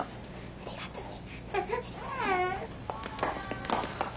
ありがとね。